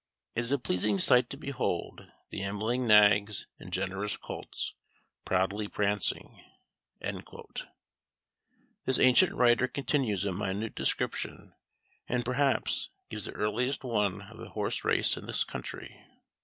It is a pleasing sight to behold the ambling nags and generous colts, proudly prancing." This ancient writer continues a minute description, and, perhaps, gives the earliest one of a horse race in this country.